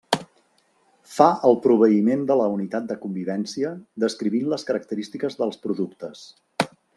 Fa el proveïment de la unitat de convivència descrivint les característiques dels productes.